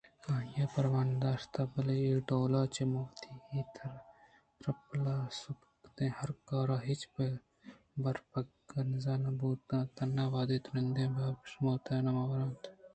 آئیءَ پرواہ نہ داشت بلئے اے ڈول ءَ آ چہ وتی ترٛپل ءُسُبکیں ہرکاراں ہچ بر پدکنز نہ بوت اَنت تنا وہدے کہ ترٛندیں بیہار ءُشہماتے مہ وراَنت شرّ نہ بنت